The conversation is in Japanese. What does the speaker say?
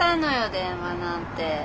電話なんて。